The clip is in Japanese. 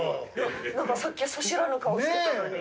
何かさっき素知らぬ顔してたのに。